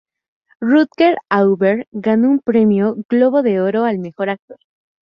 Rutger Hauer ganó un premio Globo de Oro al mejor actor.